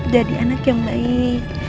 jadi anak yang baik